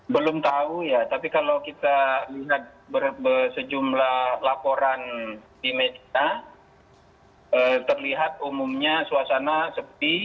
belum tahu ya tapi kalau kita lihat sejumlah laporan di media terlihat umumnya suasana sepi